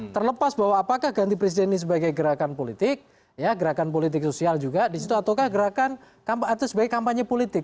terlepas bahwa apakah ganti presiden ini sebagai gerakan politik gerakan politik sosial juga disitu ataukah gerakan kampanye itu sebagai kampanye politik